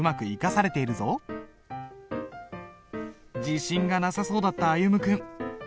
自信がなさそうだった歩夢君。